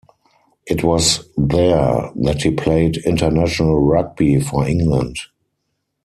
It was there that he played international rugby for England.